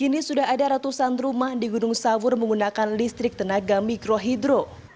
kini sudah ada ratusan rumah di gunung sawur menggunakan listrik tenaga mikrohidro